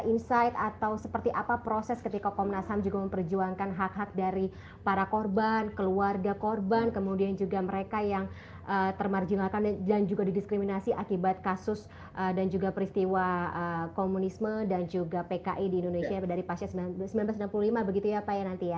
insight atau seperti apa proses ketika komnas ham juga memperjuangkan hak hak dari para korban keluarga korban kemudian juga mereka yang termarjinalkan dan juga didiskriminasi akibat kasus dan juga peristiwa komunisme dan juga pki di indonesia dari pasca seribu sembilan ratus enam puluh lima begitu ya pak ya nanti ya